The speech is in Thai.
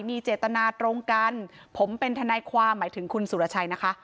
มีเจตนาตรงกันผมเป็นทนายความหมายถึงคุณสุรชัยนะคะ